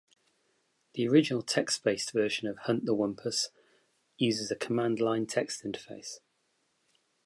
The original text-based version of "Hunt the Wumpus" uses a command line text interface.